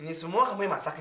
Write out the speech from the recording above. ini semua kamu yang masak ya